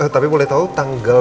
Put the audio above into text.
tapi boleh tau tanggal